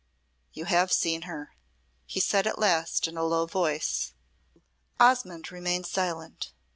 "You have seen her," he said at last, in a low voice. Osmonde remained silent.